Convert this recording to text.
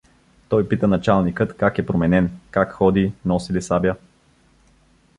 Той пита началникът как е пременен, как ходи, носи ли сабя.